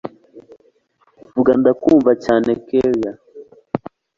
vuga ndakumva cyane kellia